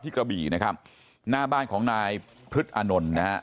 กระบี่นะครับหน้าบ้านของนายพฤษอานนท์นะฮะ